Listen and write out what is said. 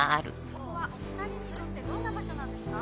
そこはお２人にとってどんな場所なんですか？